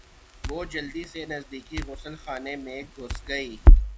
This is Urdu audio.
وہ جلدی سے نزدیکی غسل خانے میں گھس گئی۔